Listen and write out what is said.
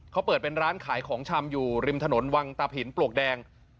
เขาเปิดเป็นร้านขายของชำอยู่ริมถนนวังตะผินปลวกแดง